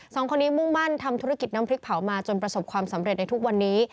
สองคนนี้มุ่งมั่นทำธุรกิจน้ำพริกเผามาจนประสบความสำเร็จในทุกวันนี้